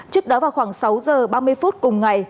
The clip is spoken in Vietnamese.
trước đó vào khoảng sáu giờ ba mươi phút cùng ngày